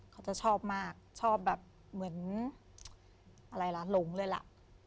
เขาจะชอบมากชอบแบบเหมือนอะไรล่ะหลงเลยล่ะ